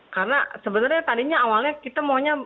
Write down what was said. karena sebenarnya tadinya awalnya kita maunya